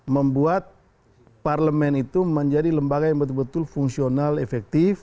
membuat parlemen itu menjadi lembaga yang betul betul fungsional efektif